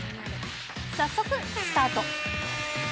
早速スタート。